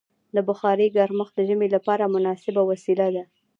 د بخارۍ ګرمښت د ژمي لپاره مناسبه وسیله ده.